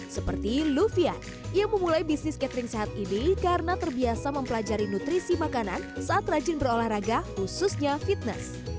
seperti luvia yang memulai bisnis catering sehat ini karena terbiasa mempelajari nutrisi makanan saat rajin berolahraga khususnya fitness